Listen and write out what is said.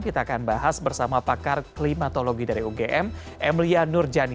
kita akan bahas bersama pakar klimatologi dari ugm emilia nurjani